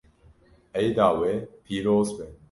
Eyda we pîroz be.